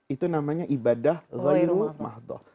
itu namanya ibadah ghayrul mahdoh